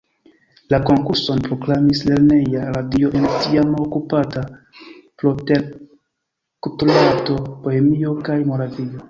La konkurson proklamis Lerneja radio en tiama okupata Protektorato Bohemio kaj Moravio.